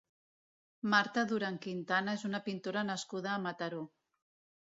Marta Duran Quintana és una pintora nascuda a Mataró.